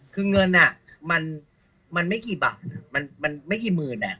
คือเงินมันไม่กี่บาทมันไม่กี่หมื่น